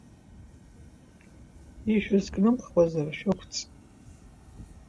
Ишәызкнымхуазар, шәықәҵ!